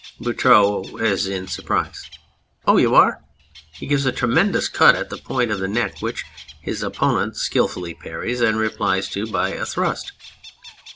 BOUTROUX (as in surprise). Oh, you are ! (He gives a tremendous cut at the point of the neck, which his opponent skilfully parries and replies to by a thrust.)